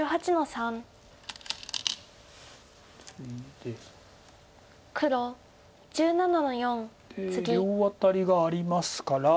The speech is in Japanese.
で両アタリがありますから。